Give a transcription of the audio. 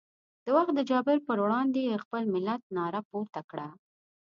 د وخت د جابر پر وړاندې یې د خپل ملت ناره پورته کړه.